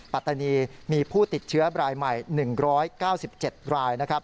ปัตตานีมีผู้ติดเชื้อรายใหม่๑๙๗รายนะครับ